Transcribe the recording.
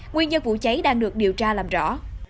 nguyên nhân vụ cháy đang được điều tra làm rõ